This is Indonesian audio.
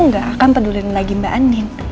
gak akan peduli lagi mbak andin